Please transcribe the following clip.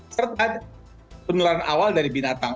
serta penularan awal dari binatang